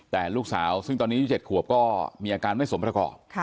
แต่ลูกสาวซึ่งตอนนี้อายุ๗ขวบก็มีอาการไม่สมประกอบ